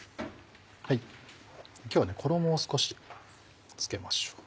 今日は衣を少し付けましょう。